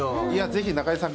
ぜひ、中居さん